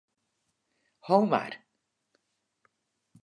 Ho mar.